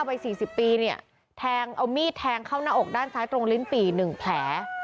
เมื่อไป๔๐ปีเอามีดแทงเข้าหน้าอกด้านซ้ายตรงลิ้นปี๑แผล